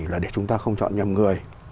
là để chúng ta không chọn nhầm người